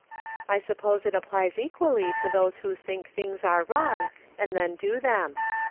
I suppose it applies equally to those who think things are wrong, and then do them.